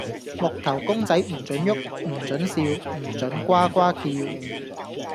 木頭公仔唔准郁，唔准笑，唔准呱呱叫